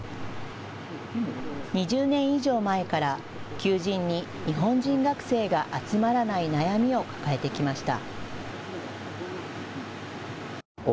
２０年以上前から求人に日本人学生が集まらない悩みを抱えてきました。